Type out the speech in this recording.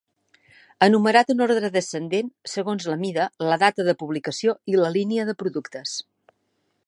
Enumerat en ordre descendent segons la mida, la data de publicació i la línia de productes.